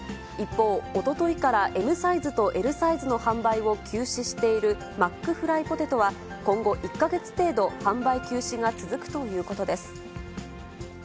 一方、おとといからＭサイズとＬサイズの販売を休止しているマックフライポテトは、今後１か月程度、販売休止が続くということです。